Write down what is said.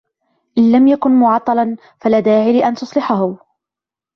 إن لم يكن معطلا ، فلا داعي لأن تصلحه.